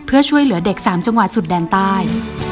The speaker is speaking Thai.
เพื่อช่วยเหลือเด็ก๓จังหวัดสุดแดนใต้